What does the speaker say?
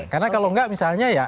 karena kalau enggak misalnya ya